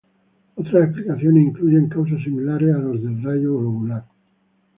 Otras explicaciones incluyen causas similares a las del rayo globular.